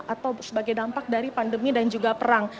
atau sebagai dampak dari pandemi dan juga perang